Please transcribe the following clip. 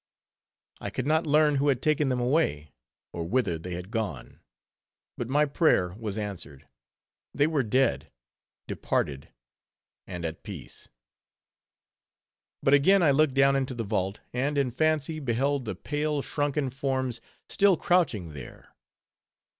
I could not learn who had taken them away, or whither they had gone; but my prayer was answered—they were dead, departed, and at peace. But again I looked down into the vault, and in fancy beheld the pale, shrunken forms still crouching there.